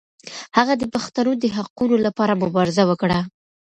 هغه د پښتنو د حقونو لپاره مبارزه وکړه.